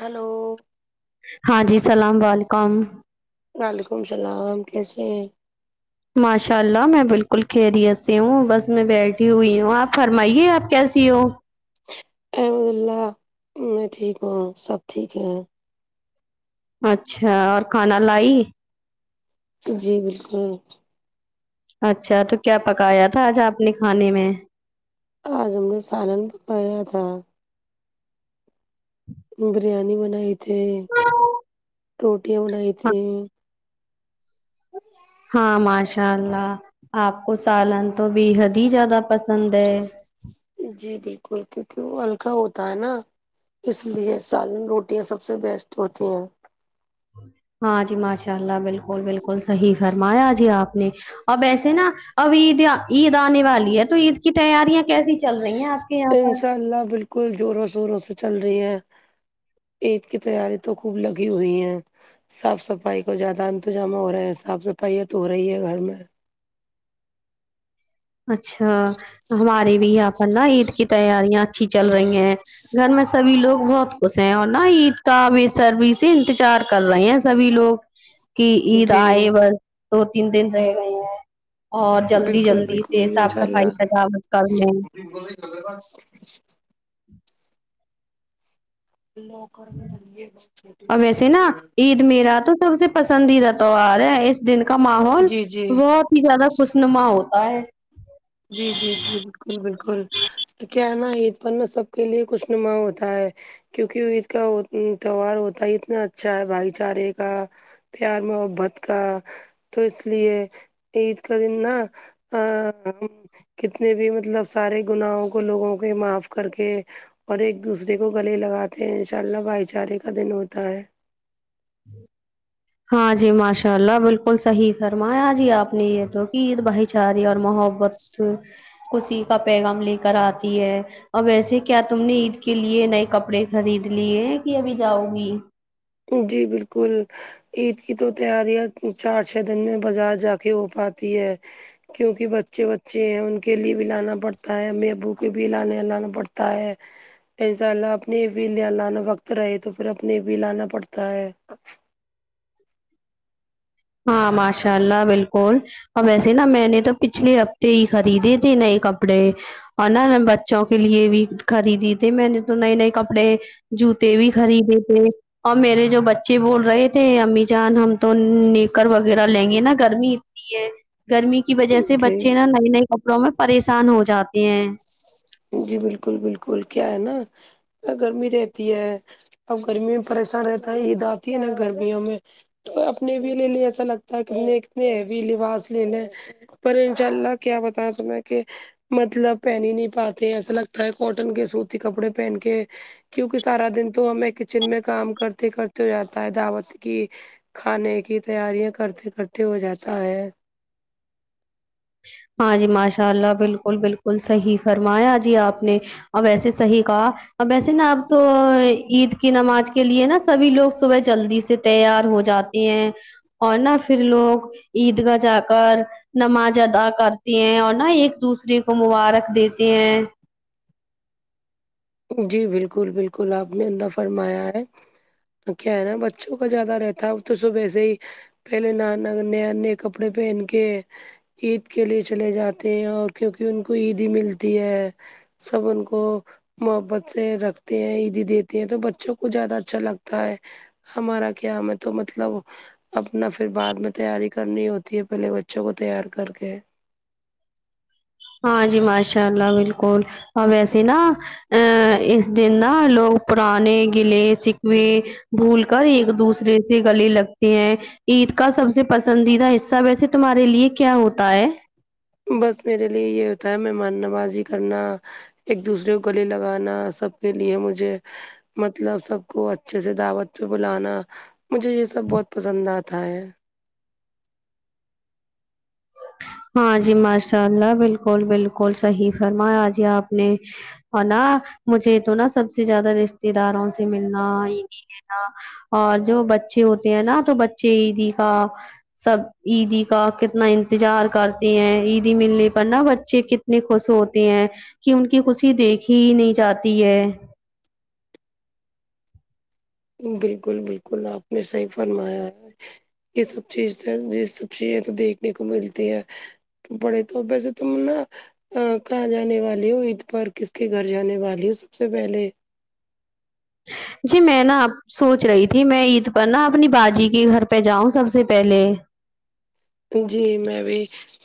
hello ہاں جی اسلام علیکم وعلیکم السلام کیسے ہیں ماشاء اللہ میں بالکل خیریت سے ہوں بس میں بیٹھی ہوئی ہوں آپ فرمائیے آپ کیسی ہو الحمد اللہ میں ٹھیک ہوں سب ٹھیک ہیں اچھا اور کھانا لائی جی بالکل اچھا تو کیا پکایا تھا آج آپ نے کھانے میں آج ہم نے سالن پکایا تھا بریانی بنائی تھی ہاں روٹیاں بنائی تھی ہاں ماشاء اللہ آپ کو سالن تو بےحد ہی زیادہ پسند ہے جی بالکل کیونکہ وہ ہلکا ہوتا ہے نہ اس لیے سالن روٹیاں سب سے بیسٹ ہوتی ہیں ہاں جی ماشاء اللہ بالکل بالکل صحیح فرمایا جی آپ نے اب ایسے نہ ابھی عید عید آنے والی ہے تو عید کی تیاریاں کیسی چل رہی ہیں آپ کے یہاں پر انشاء اللہ بالکل کل زوروں شوروں سے چل رہی ہے عید کی تیاری تو خوب لگی ہوئی ہے صاف صفائی کو زیادہ انتظام ہو رہے ہیں صاف صفائییا تو ہو رہی ہے گھر میں اچھا ہماراری بھی یہاں پر نا عید کی تیاریاں اچھی چل رہی ہیں گھر میں سبھی لوگ بہت خوش ہیں اور نا عید کا بے سربی سے انتظار کر رہے ہیں سبھی لوگ [unintelligible] کہ عید جی آئے بس دو تین دن رہ گئے ہیں اور جلدی بالکل جلدی بالکل سے صاف انشاء صفائی اللہ سجاوٹ کرنے [unintelligible] لوکر میں چلیے اور ویسے نا عید میرا تو سب سے پسندیدہ تہوار ہے اس دن کا ماحول جی جی بہت ہی زیادہ خوشنما ہوتا ہے جی جی جی جی بالکل بالکل کیونکہ نا عید پن میں سب کے لیے خو شنما ہوتا ہے کیونکہ عید کا تہوار ہوتا ہے اتنا اچھا ہے بھائی چارے کا پیار محبت کا تو اس لیے عید کا دن نا آآ ام کتنے بھی مطلب سارے گناہوں کو لوگوں کے معاف کر کے اور ایک دوسرے کو گلے لگاتے ہیں ان شاء اللہ بھائی چارے کا دن ہوتا ہے ہاں جی ماشاء اللہ بالکل صحیح فرمایا جی آپ نے یہ تو کہ عید بھائی چاری اور محبت کسی کوشی پیغام لے کر آتی ہے اب ویسے کیا تم نے عید کے لیے نئے کپڑے خرید لیے ہیں کہ ابھی جاؤ گی جی بالکل عید کی تو تیاریاں چار چھ دن میں بازار جا کے ہو پاتی ہے کیونکہ بچے بچے ہیں ان کے لیے بھی لانا پڑتا ہے مبو کے بھی لانے لانا پڑتا ہے انشاء اللہ اپنے بھی لانا وقت رہے تو پھر اپنے بھی لانا پڑتا ہے ہاں ماشاء اللہ بالکل اور ویسے نا میں نے تو پچھلے ہفتے ہی خریدے تھے نئے کپڑے اور نا بچوں کے لیے بھی خریدی تھی میں نے تو نئے نئے کپڑے جوتے بھی خریدے تھے اور میرے جو بچے بول رہے تھے امی جان ہم تو ن کر وغیرہ لیں گے نا گرمی اتنی ہے گرمی کی وجہ سے جی بچے نا نئی نئی کپڑوں میں پریشان ہو جاتے ہیں جی بالکل بالکل کیا ہے نا گرمی رہتی ہے اب گرمی میں پریشان رہتا ہے عید آتی ہے نا گرمیوں میں تو اپنے بھیلی لیے ایسا لگتا ہے کہتنے کتنے بھی لباس لینے پر انشاء اللہ کیا بتا تیں کہ مطلب پہ نہیں نہیں پاتا ایسا لگتا ہے کاٹن کے سوتی کپڑے پہن کے کیوںکہ سارا دن تو ہمیں کچن میں کام کرتے کرتے ہو جاتا ہے دعوت کی کھانے کی تیاریاں کرتے کرتے ہو جاتا ہے ہاں جی ماشاء اللہ بالکل بالکل صحیح فرمایا جی آپ نے اور ویسے صحیح کاآ اب ویسے نا اب تو عید کی نماز کے لیے نا سبھی لوگ صبح جلدی سے تیار ہو جاتے اور نہ پھر لوگ عید گاہ جا کر نماز ادا کرتی ہیں اور نا ایک دوسرے کو مبارک دیتے ہیں جی بالکل بالکل آپ نے اندہ فرمایا ہے کیا ہے نا بچوں کا زیادہ رہتا ہے تو صبح سے ہی پہلے نانا نان نے کپڑے پہن کے عید کے لیے چلے جاتے ہیں اور کیونکہ ان کو عید ہی ملتی ہے سب ان کو محبت سے رکھتے ہیں عیدی دیتے ہیں تو بچوں کو زیادہ اچھا لگتا ہے ہمارا کیا ہمیں تو مطلب اپنا پھر بعد میں تیاری کرنی ہوتی ہے پہلے بچوں کو تیار کر کے ہاں جی ماشاء اللہ بالکل ویسے نہا اس دن نہ لوگ پرانے گلے شکوے بھول کر ایک دوسرے سے گلی لگ ہیں عید کا سب سے پسندیدہ حصہ ویسے تمہارے لیے کیا ہوتا ہے بس میرے لیے یہ ہوتا ہے ممہمان نوازی کرنا ایک دوسرے کو گلے لگانا سب کے لیے مجھے مطلب سب کو اچھے سے دعوت پہ بلانا مجھے یہ سب بہت پسند آتا ہے ہاں جی ماشاء اللہ بالکل بالکل صحیح فرمایا آ جی آپ نے اور نا مجھے تو نا سب سے زیادہ رشتے داروں سے ملنا ہی نہیں اور جو بچے ہوتے ہیں نا تو بچے عیدی کا سب عیدی کا کتنا انتظار کرتے ہیں عیدی ملنے پر نا بچے کتنے خوش ہوتے ہیں کیوں کی خوشی دیکھ ہی نہیں جاتی ہے بالکل بالکل آپ نے صحیح فرمایا ہے یہ سب چیز یہ سب چیزیں تو دیکھنے کو ملتی ہے پڑے تو ویسے تم نا ا کہاں جانے والی ہو عید پر کس کے گھر جان والی ہو سب سے پہلے جی میں نا اب سونچ رہی تھی میں عید پر نا اپنی باجی کے گھر پہ جاؤں سب سے پہلے جی میں بھی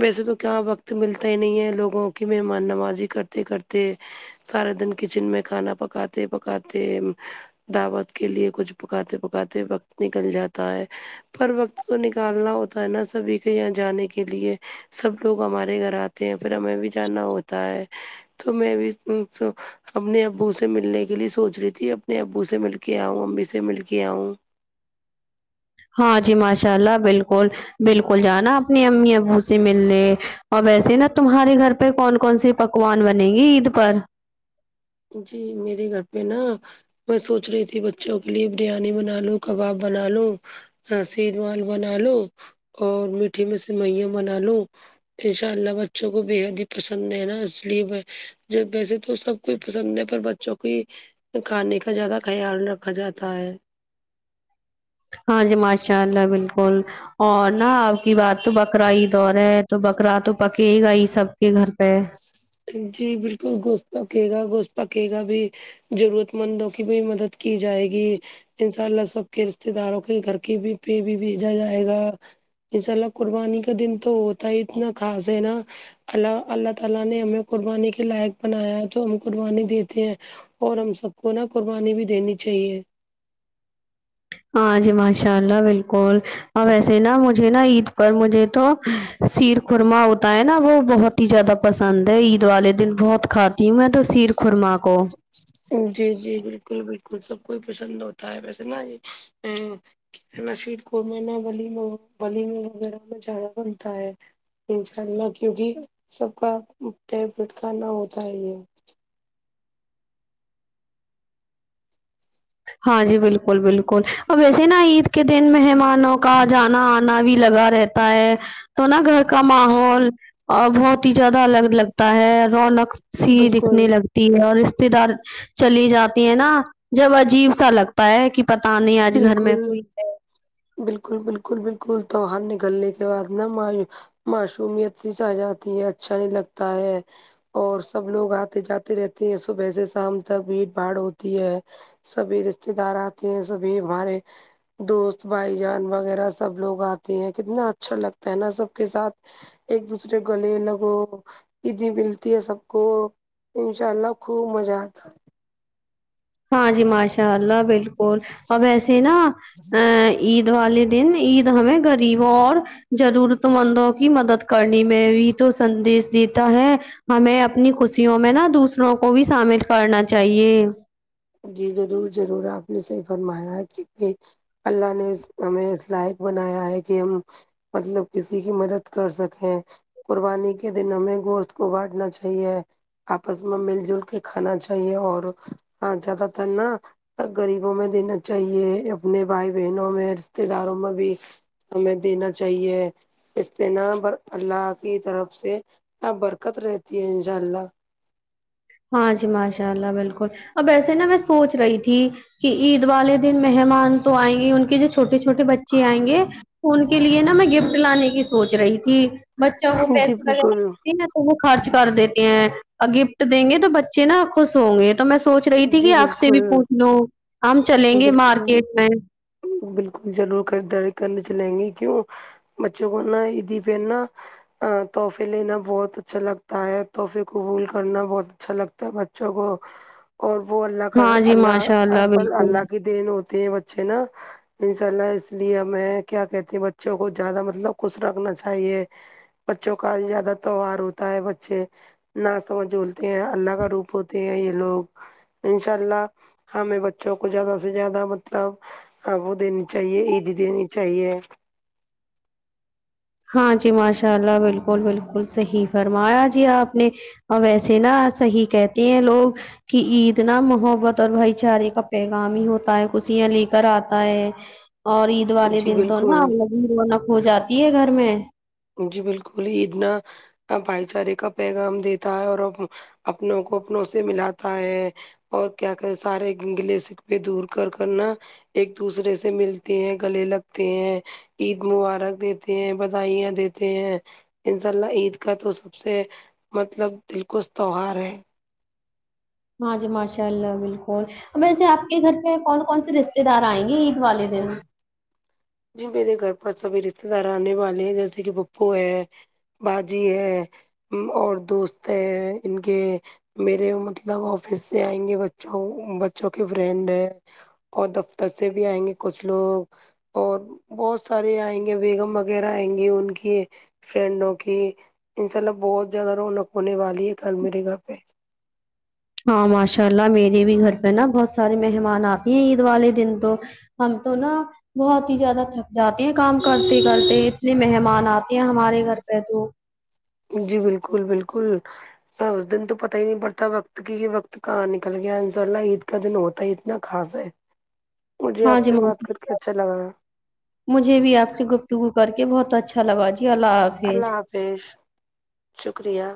ویسے تو کیا وقت ملتا ہی نہیں ہے لوگوں کی مہمان نوازی کرتے کرتے سارا دن کچن میں کھانا پکاتے پکاتے دعوت کے لیے کچھ پکاتے پکاتے وقت نکل جاتا ہے پر وقت تو نکالنا ہوتا ہے نا سبھی کے یہاں جانے کے لیے سب لوگ ہمارے گھر آتے ہیں پھر ہمیں بھی جانا ہوتا ہے تو میں بھی تو اپنے ابو سے ملنے کے لیے سونچ رہی تھی اپنے ابو سے مل کے آؤں امی سے مل کے آؤں ہاں جی ماشاء اللہ بالکل بالکل جانا اپنے امی ابو سے ملنے اور ویسے نا تمہارے گھر پہ کون کون سی پکوان بنے گی عید پر جی میرے گھر پہ نا میں سونچ رہی تھی بچوں کے لیے بریانی بنا لوں کواب بنا لوں ا شیر مال بنا لو اور میٹھی میں سے میاں بنا لو ان شاء اللہ بچوں کو بے حد ہی پسند ہے نا اس لیے میں جب ویسے تو سب کوئی پسند ہے پر بچوں کی کھانے کا زیادہ خیال رکھا جاتا ہے ہاں جی ماشاء اللہ بالکل اور نا آپ کی بات تو بکراعید دور ہے تو بکرا تو پکے گا ہی سب کے گھر پہ جی بالکل گوشت پکے گا گوشت پکے گا بھی ضرورت مندوں کی بھی مدد کی جائے گی انشاء اللہ سب کے رشتے داروں کے گھر کے پہ بھی بھیجا جائے گا انشاء اللہ قربانی کا دن تو ہوتا ہی اتنا خاص ہے نا اللہ اللہ تعالی نے ہمیں قربانی کے لائق بنایا ہے تو ہم قربانی دیتے ہیں اور ہم سب کو نا قربانی بھی دینی چاہیے ہاں جی ماشاء اللہ بالکل اور ویسے نا مجھے نا عید پر مجھے توہ شیر خورما ہوتا ہے نا وہ بہت زیادہ پسند ہے عید والے دن بہت کھاتی ہوں میں تو شیر خورما کو جی جی بالکل بالکل سب کوئی پسند ہوتا ہے ویسے نا یہ ناشید کو میں نہ ولیمہ ولیمہ وغیرہ میں جارا بنتا ہے انشاء اللہ کیوںکہ سب کا فیورٹ کھانا ہوتا ہے یہ ہاں جی بالکل بالکل اب ویسے نا عید کے دن مہمان مانوں کا جانا آنا بھی لگا رہتا ہے تو نا گھر کا ماحول بہت ہی زیادہ الگ الگ تا ہے رونق سی بالکل دکھنے لگ ٹی ہے اور رشتے دار چلی جاتی ہیں نا جب عجیب سا لگ پ ہے کہ پتا نہیں آج گھر میں بالکل کوئی ہے بالکل بالکل بالکل تو ہم نے گلے کے بعد نہ مائیں معشومیت سی چھا جاتی ہے اچھا نہیں لگتا ہے اور سب لوگ آتے جاتے رہتے ہیں صبح سے شام تک بھیڑ بھاڑ ہوتی ہے سبھی رشتے دار آتے ہیں سبھی ہمارے دوست بھائی جان وغیرہ سب لوگ آتے ہیں کتنا اچھا لگتا ہے نا سب کے ساتھ ایک دوسرے گل لگو عیدی ملتی ہے سب کو انشاء اللہ خوب مزہ آتا ہے ہاں جی ماشاء اللہ بالکل اب ایسے نا ا عید والے دن عید ہمیں غریب اور ضرورت مندوں کی مدد کرنے میں بھی تو سندیش دیتا ہے ہمیں اپنی خوشیوں میں نا دوسروں کو بھی شامل کرنا چاہیے جی ضرور ضرور آپ نے صحیح فرمایا ہے کی ک اللہ نے اس ہمیں اس لائق بنایا ہے کہ ہم مطلب کسی کی مدد کر سکیں قربانی کے دن ہمیں گوشت کو بانٹنا چاہیے آپس میں مل جل کے کھانا چاہیے اور ہاں زیادہ تر نا غریبوں میں دینا چاہیے اپنے بھائی بہنوں میں رشتے داروں میں بھی ہمیں دینا چاہیے اس سے ن ب اللہ کی طرف سے اب برکت رہتی ہے انشاء اللہ ہاں جی ماشاء اللہ بالکل اب ایسے نا میں سوچ رہی تھی کہ عید والے دن مہمان تو آئیں گے ان کے جو چھوٹے چھوٹے بچے آئیں گے ان کے کے لیے نا میں گفٹ لانے کی سوچ رہی تھی بچوں کو جی پیسے بالکل وغیرہتے نا وہ خرچ کر دیتے ہیں گفٹ دیں گے تو بچے نا خوش ہوں گے تو میں سوچ رہی تھی کہ جی آپ سے بھی بالکل پوچھ لوں ہم چلیں گے مارکیٹ میں بلکل بالکل ضرور خریداری کرنے چلیں گے کیوں بچوں کونا یہ عیدی دینا تحفے لینا بہت اچھا لگتا ہے تحفے قبول کرنا بہت اچھا لگتا ہے بچوں کو اور وہ اللہ کر ہاں جی اللہ ماشاء اب بالکل اللہ کی دین ہوتے ہیں بچے نا انشاء اللہ اس لیے ہمیں کیا کہتی ہیں بچوں کو زیادہ مطلب خوش رکھنا چاہیے بچوں کا زیادہ تہوہار ہوتا ہے بچے نا سمجھ ہوتے ہیں اللہ کا روپ ہوتے ہیں یہ لوگ انشاء اللہ ہمیں بچوں کو زیادہ سے زیادہ مطلب ہاں وہ دینی چاہیے عیدی دینی چاہیے ہاں جی ماشاء اللہ بالکل بالکل صحیح فرمایا جی آپ نے اور ویسے نا صحیح کہتے ہیں لوگ کہ عید نا محبت اور بھائی چارے کا پیغام ہی ہوتا ہے خوشیاں لے کر آتا ہے اور عید والے جی دن تو بالکل نای رونق ہو جاتی ہے گھر میں جی بالکل ہی اتنا بھائی چارے کا پیغام دیتا ہے اور اپنوں کو اپنوں سے ملاتا ہے اور کیا کہ سارے گلے سک پے دور کر کرنا ایک دوسرے سے ملتے ہیں گلے لگتے ہیں عید مبارک دیتے ہیں بدھائیاں دیتے ہیں ان شاء اللہ عید کا تو سب سے مطلب دلکش تیوار ہے ہاں جی ماشاء اللہ بالکل ویسے آپ کے گھر پہ کون کون سے رشتے دار آئیں گے عید والے دن جی میرے گھر پس سب بھی رشتے دار آنے والے ہیں جیسے کہ بپو ہے باجی ہے اور دوست ہے ان کے میرے مطلب آفس سے آئیں گے بچوں بچوں کے فرینڈ ہیں اور دفتر سے بھی آئیں گے کچھ لوگ اور بہت سارے آئیں گے بیگم وغیرہ آئیں گے ان کے فرینڈوں کی انشاء اللہ بہت زیادہ رونق ہونے والی ہے کل میرے گھر پہ ہاں ماشاء اللہ میرے بھی گھر پہ نا بہت سارے مہمان آتے ہیں عید والے دن تو ہم تو نا بہت ہی زیادہ تھک جاتے ہیں کام کرتے کرتے اتنے مہمان آتے ہیں ہمارے گھر پہ تو جی بالکل بالکل ہاں اس دن تو پتہ ہی نہیں پڑتا وقت کی یہ وقت کہاں نکل گیا ان شاء اللہ عید کا دن ہوتا ہے اتنا خاص ہے مجھے ہاں آپ جی سے بات کر کے اچھا لگا ہے مجھے بھی آپ سے گفتگو کر کے بہت اچھا لگا جی اللہ حافظ ا فیش شکریہ